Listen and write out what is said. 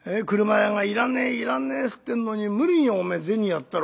俥屋がいらねえいらねえっつってんのに無理におめえ銭やったろ。